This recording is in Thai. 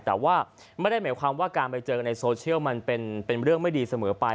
แต่ว่าไม่ได้หมายความว่าการไปเจอกันในโซเชียลมันเป็นเรื่องไม่ดีเสมอไป